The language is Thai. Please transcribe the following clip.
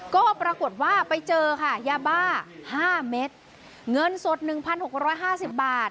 ก็ปรากฏว่าไปเจอค่ะยาบ้าห้าเม็ดเงินสดหนึ่งพันหกร้อยห้าสิบบาท